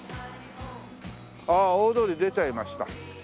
ああ大通り出ちゃいました。